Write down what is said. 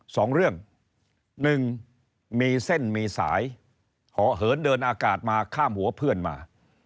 สองเรื่องหนึ่งมีเส้นมีสายหอเหินเดินอากาศมาข้ามหัวเพื่อนมา